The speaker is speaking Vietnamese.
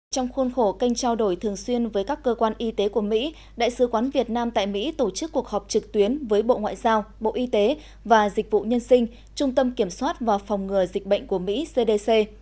trong khuôn khổ kênh trao đổi thường xuyên với các cơ quan y tế của mỹ đại sứ quán việt nam tại mỹ tổ chức cuộc họp trực tuyến với bộ ngoại giao bộ y tế và dịch vụ nhân sinh trung tâm kiểm soát và phòng ngừa dịch bệnh của mỹ cdc